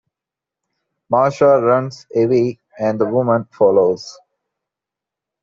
Marsha runs away and the woman follows.